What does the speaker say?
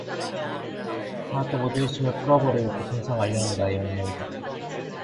하나 또 모든 의심을 풀어 버리고 그 진상을 알려하는 나의 욕망이다.